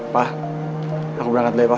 pak aku berangkat dulu ya pak